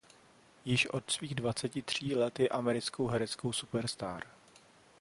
Již od svých dvaceti tří let je americkou hereckou superstar.